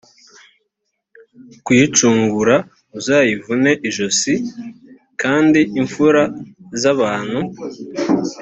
kuyicungura uzayivune ijosi kandi imfura z abantu